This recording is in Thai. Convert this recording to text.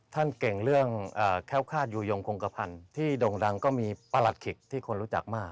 ท่านเก่งเรื่องแค้วคาดยูยงคงกระพันธ์ที่โด่งดังก็มีประหลัดขิกที่คนรู้จักมาก